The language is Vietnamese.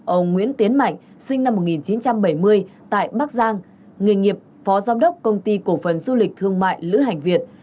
ông nguyễn tiến mạnh sinh năm một nghìn chín trăm bảy mươi tại bắc giang nghề nghiệp phó giám đốc công ty cổ phần du lịch thương mại lữ hành việt